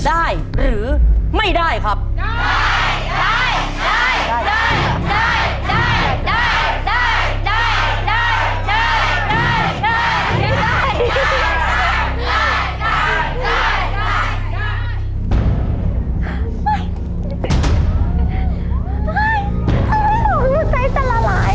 อุ๊ยเธอไม่บอกว่าใจจะละลาย